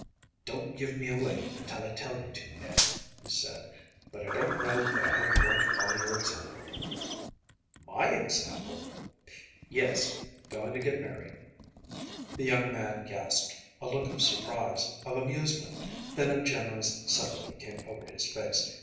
“Don’t give me away until I tell you to, Ned,‚ÄĚ he said, “but I don’t know but I am going to follow your example.‚ÄĚ “My example?‚ÄĚ “Yes, going to get married.‚ÄĚ The young man gasped. A look of surprise, of amusement, then of generous sympathy came over his face.